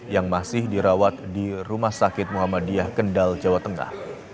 yang masih dirawat di rumah sakit muhammadiyah kendal jawa tengah